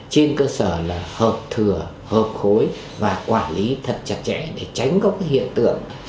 trên cơ sở là hợp thừa hợp khối và quản lý thật chặt chẽ để tránh các hiện tượng